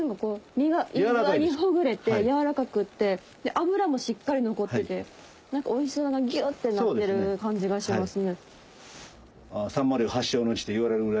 身がいい具合にほぐれて軟らかくって脂もしっかり残ってておいしさがギュってなってる感じがしますね。